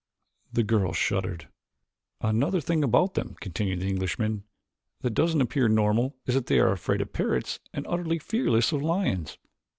The girl shuddered. "Another thing about them," continued the Englishman, "that doesn't appear normal is that they are afraid of parrots and utterly fearless of lions."